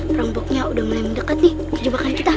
perampoknya udah mulai mendekat nih ke jebakan kita